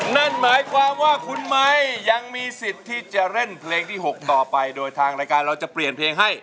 นั่นหมายความว่าคุณไม้ยังมีสิทธิ์ที่จะเล่นเพลงที่๖ต่อไปโดยทางรายการเราจะเปลี่ยนเพลงให้